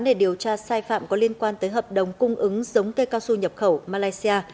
để điều tra sai phạm có liên quan tới hợp đồng cung ứng giống cây cao su nhập khẩu malaysia